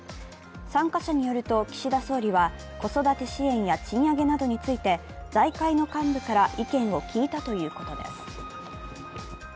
参加者によると、岸田総理は子育て支援や賃上げなどについて財界の幹部から意見を聞いたということです。